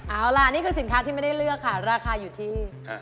เอาล่ะนี่คือสินค้าที่ไม่ได้เลือกค่ะราคาอยู่ที่